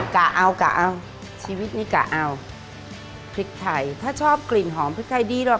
กะเอากะเอาชีวิตนี้กะเอาพริกไทยถ้าชอบกลิ่นหอมพริกไทยดีหรอก